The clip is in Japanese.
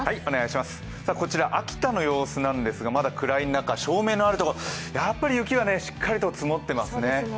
こちら、秋田の様子なんですが、まだ暗い中照明のあるところ、やっぱり雪がしっかりと積もっていますね。